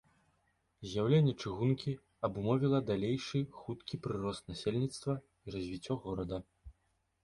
З'яўленне чыгункі абумовіла далейшы хуткі прырост насельніцтва і развіццё горада.